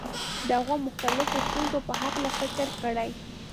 د هغو مختلفو ستونزو په هکله فکر کړی.